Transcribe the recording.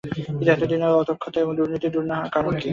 কিন্তু এত দিনেও অদক্ষতা কিংবা দুর্নীতি দূর না হওয়ার কারণ কী?